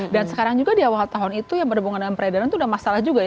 dan sekarang juga di awal tahun itu ya berhubungan dengan peredaran itu udah masalah juga ya